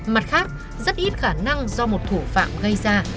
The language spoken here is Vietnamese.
mặt khác rất ít khả năng do một thủ phạm gây ra